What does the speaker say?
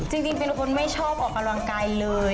จริงเป็นคนไม่ชอบออกกำลังกายเลย